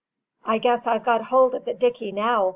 "I guess I've got hold of the dicky now!"